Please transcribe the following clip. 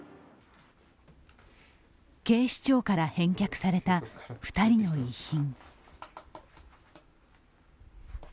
警視庁から返却された２人の遺品。